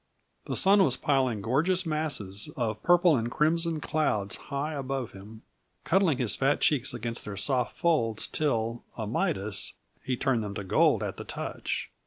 The sun was piling gorgeous masses of purple and crimson clouds high about him, cuddling his fat cheeks against their soft folds till, a Midas, he turned them to gold at the touch.